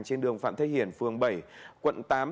trên đường phạm thế hiển phường bảy quận tám